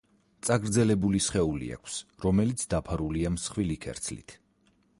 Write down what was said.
წაგრძელებული სხეული აქვს, რომელიც დაფარულია მსხვილი ქერცლით.